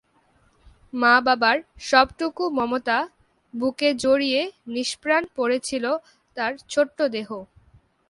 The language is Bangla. মা-বাবার সবটুকু মমতা বুকে জড়িয়ে নিষ্প্রাণ পড়ে ছিল তার ছোট্ট দেহ।